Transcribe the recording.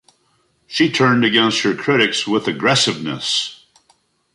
She turned against her critics with aggressiveness.